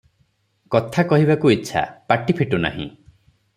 କଥା କହିବାକୁ ଇଚ୍ଛା, ପାଟି ଫିଟୁନାହିଁ ।